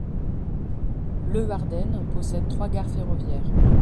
Leeuwarden possède trois gares ferroviaires.